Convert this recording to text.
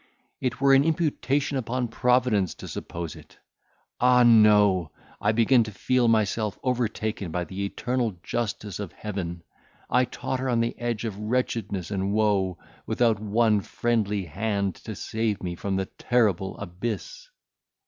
It were an imputation upon Providence to suppose it! Ah, no! I begin to feel myself overtaken by the eternal justice of Heaven! I totter on the edge of wretchedness and woe, without one friendly hand to save me from the terrible abyss!"